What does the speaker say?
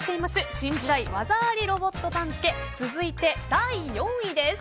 新時代技ありロボット番付続いて、第４位です。